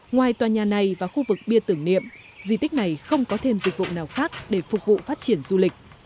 ngoài tòa nhà này và khu vực bia tưởng niệm di tích này không có thêm dịch vụ nào khác để phục vụ phát triển du lịch